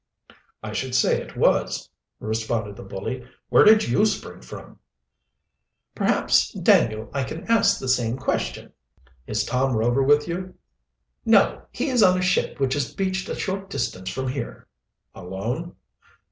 "I should say it was!" responded the bully. "Where did you spring from?" "Perhaps, Daniel, I can ask the same question." "Is Tom Rover with you?" "No, he is on a ship which is beached a short distance from here." "Alone?"